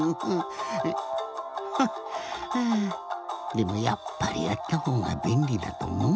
でもやっぱりあったほうがべんりだとおもうんだけどなぁ。